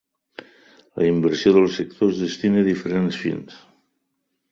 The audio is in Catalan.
La inversió del sector es destina a diferents fins.